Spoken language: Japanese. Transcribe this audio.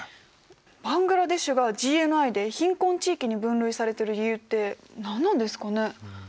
バングラデシュがＧＮＩで貧困地域に分類されてる理由って何なんですかね？